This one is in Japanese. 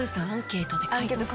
アンケートで。